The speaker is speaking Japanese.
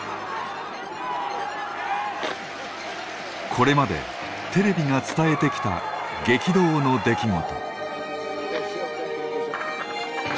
これまでテレビが伝えてきた激動の出来事。